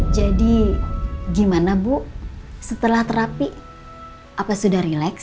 jadi gimana bu setelah terapi apa sudah rileks